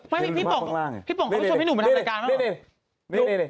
พี่ป๋องเขาไม่ชวนพี่หนุ่มไปทำรายการเหรอ